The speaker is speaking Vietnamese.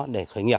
để khởi nghiệp